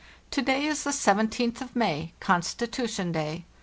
To day is the 'Seventeenth of May '— Constitution day.